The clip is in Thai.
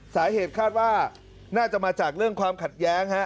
สาเหตุคาดว่าน่าจะมาจากเรื่องความขัดแย้งฮะ